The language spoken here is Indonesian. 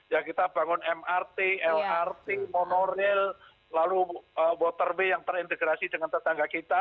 ya kita bangun mrt lrt monorail lalu waterway yang terintegrasi dengan tetangga kita